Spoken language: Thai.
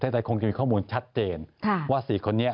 ไทยคงจะมีข้อมูลชัดเจนว่า๔คนนี้